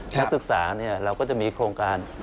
นักศึกษาเราก็จะมีโครงการ